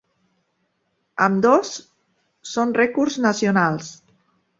Ambdós són rècords nacionals.